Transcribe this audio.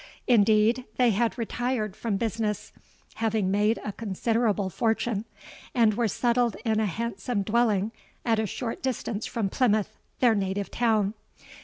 Indeed, they had retired from business, having made a considerable fortune; and were settled in a handsome dwelling at a short distance from Plymouth—their native town.